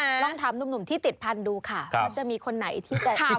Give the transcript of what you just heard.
ลองถามหนุ่มที่ติดพันธุ์ดูค่ะว่าจะมีคนไหนที่จะทำ